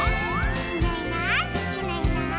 「いないいないいないいない」